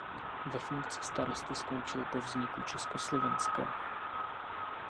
Ve funkci starosty skončil po vzniku Československa.